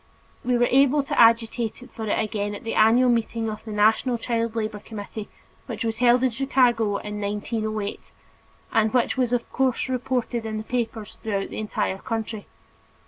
We were able to agitate for it again at the annual meeting of the National Child Labor Committee which was held in Chicago in 1908, and which was of course reported in papers throughout the entire country.